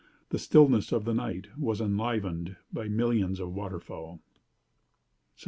The stillness of the night was enlivened by millions of water fowl. "'_Sept.